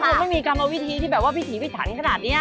คงไม่มีกรรมวิธีที่แบบว่าวิถีพิถันขนาดนี้